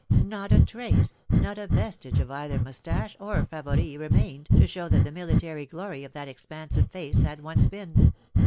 Not a trace, not a vestige of either mustache or favoris remained, to show what the military glory of that expansive face had once been.